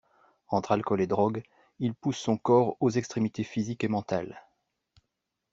Entre alcool et drogue, il pousse son corps aux extrémités physiques et mentales.